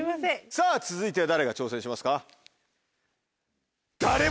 さぁ続いては誰が挑戦しますか？